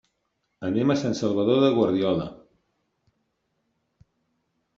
Anem a Sant Salvador de Guardiola.